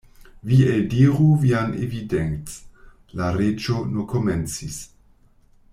"Vi eldiru vian evidenc" la Reĝo nur komencis.